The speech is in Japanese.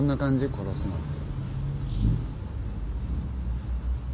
殺すのって。